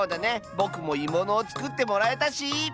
ぼくもいものをつくってもらえたし！